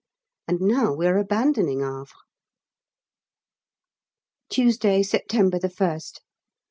And now we are abandoning Havre! _Tuesday, September 1st.